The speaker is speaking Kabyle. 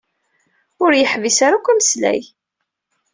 Ur yeḥbis ara akk ameslay.